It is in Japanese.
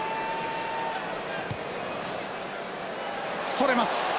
それます！